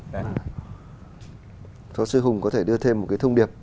phó giáo sư hùng có thể đưa thêm một cái thông điệp